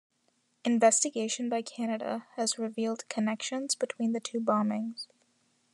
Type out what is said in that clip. Investigation by Canada has revealed connections between the two bombings.